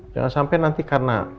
jangan sampai nanti karena